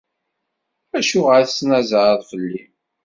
Acuɣer i tettnazaɛeḍ fell-i?